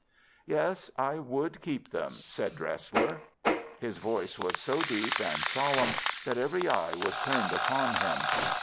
"Yes, I would keep them," said Dresler. His voice was so deep and solemn that every eye was turned upon him.